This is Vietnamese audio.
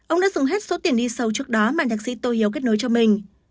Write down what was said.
ông đã dùng hết số tiền đi sâu trước đó mà nhạc sĩ tô hiếu kết nối cho mình